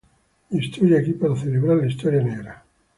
Y estoy aquí para celebrar la historia negra.